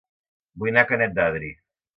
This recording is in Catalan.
Vull anar a Canet d'Adri